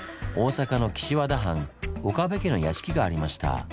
大阪の岸和田藩岡部家の屋敷がありました。